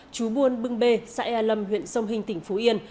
chú buôn bưng bê xã ea lâm huyện sông hình tỉnh phú yên